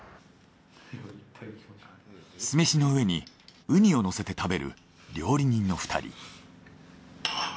酢飯の上にウニをのせて食べる料理人の２人。